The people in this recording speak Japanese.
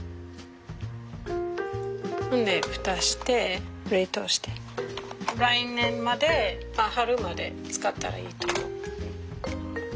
ほんで蓋して冷凍して来年まで春まで使ったらいいと思う。